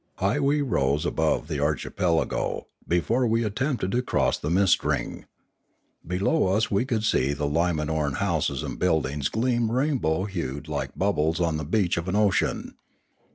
High we rose above the archipelago, before we at tempted to cross the mist ring. Below us we could see the Limanoran houses and buildings gleam rainbow hued like bubbles on the beach of an ocean.